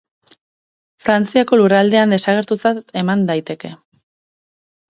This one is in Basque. Frantziako lurraldean desagertutzat eman daiteke.